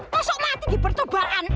masuk mati di pertobaan